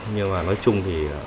nhưng mà nói chung thì